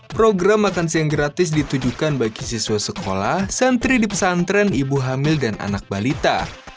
program makan siang gratis ditujukan bagi siswa sekolah santri di pesantren ibu hamil dan anak balita